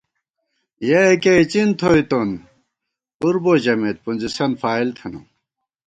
یَہ یَکِیَہ اِڅِن تھوئیتون، پُربو ژَمېت پُنزِسن فائل تھنہ